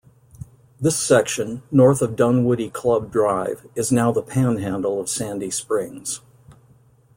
This section, north of Dunwoody Club Drive, is now the panhandle of Sandy Springs.